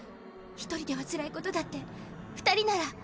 １人ではつらいことだって２人なら。